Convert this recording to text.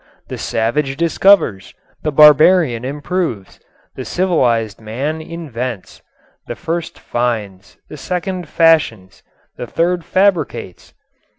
The savage discovers. The barbarian improves. The civilized man invents. The first finds. The second fashions. The third fabricates.